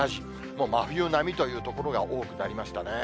もう真冬並みという所が多くなりましたね。